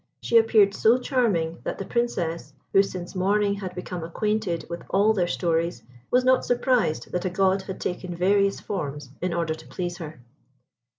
She appeared so charming, that the Princess, who since morning had become acquainted with all their stories, was not surprised that a God had taken various forms in order to please her.